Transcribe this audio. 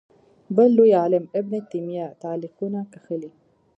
بل لوی عالم ابن تیمیه تعلیقونه کښلي